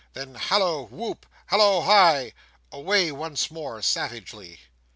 Then "Hallo, whoop! Hallo, hi!" Away once more, savagely.